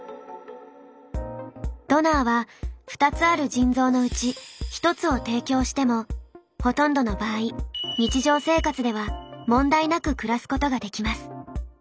ドナーは２つある腎臓のうち１つを提供してもほとんどの場合日常生活では問題なく暮らすことができます。